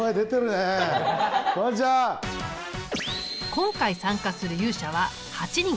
今回参加する勇者は８人。